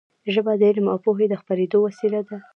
ژبه د علم او پوهې د خپرېدو وسیله ده.